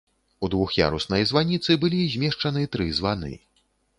У двух'яруснай званіцы былі змешчаны тры званы.